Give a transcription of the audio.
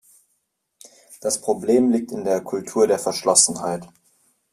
Das Problem liegt in der Kultur der Verschlossenheit.